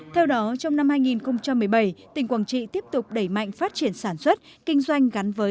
theo đó trong năm hai nghìn một mươi bảy tỉnh quảng trị tiếp tục đẩy mạnh phát triển sản xuất kinh doanh gắn với